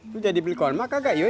lu jadi beli kawan makan gak yoi